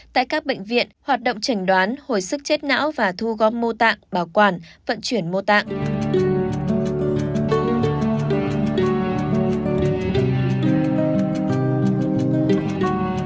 tại các bệnh viện hoạt động chẩn đoán hồi sức chết não và thu gom mô tạng bảo quản vận chuyển mô tạng